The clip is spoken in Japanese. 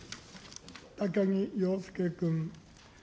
高木陽介君。